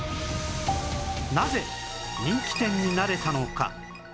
なぜ人気店になれたのか？